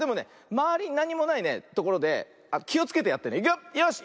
まわりになんにもないねところできをつけてやってね。